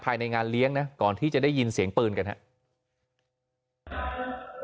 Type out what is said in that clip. ภายในงานเลี้ยงนะก่อนที่จะได้ยินเสียงปืนกันครับ